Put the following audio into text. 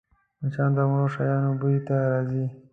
مچان د مړو شیانو بوی ته راځي